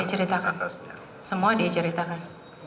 dia ceritakan semua dia ceritakan